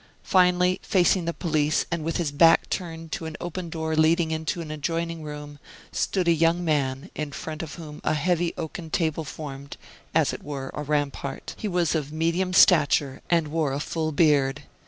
Finally, facing the police, and with his back turned to an open door leading into an adjoining room, stood a young man, in front of whom a heavy oaken table formed, as it were, a rampart. He was of medium stature, and wore a full beard.